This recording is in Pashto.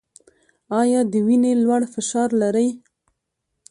ایا د وینې لوړ فشار لرئ؟